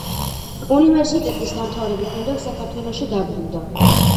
უნივერსიტეტის დამთავრების შემდეგ საქართველოში დაბრუნდა.